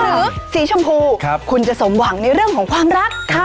หรือสีชมพูคุณจะสมหวังในเรื่องของความรัก